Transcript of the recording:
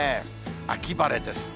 秋晴れです。